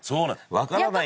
わからないんで。